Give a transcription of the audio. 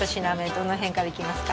どの辺からいきますか？